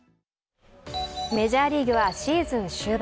メジャーリーグはシーズン終盤。